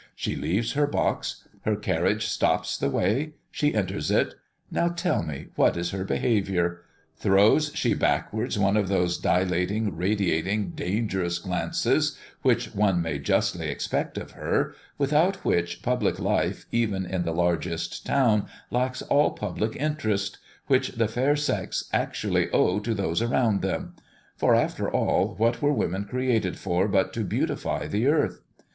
She leaves her box. Her carriage stops the way. She enters it. Now tell me, what is her behaviour? Throws she backwards one of those dilating, radiating, dangerous glances, which one might justly expect of her without which, public life, even in the largest town, lacks all public interest; which the fair sex actually owe to those around them; for after all, what were women created for but to beautify the earth?